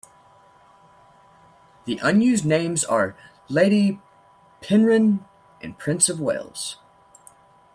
The unused names are "Lady Penrhyn" and "Prince of Wales".